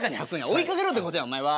追いかけろってことやお前は。